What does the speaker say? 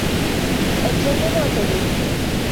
الْجَوُّ مُعْتَدِلٌ.